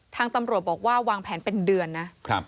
ทางตำรวจบอกว่าวางแผนเป็นเดือนนะ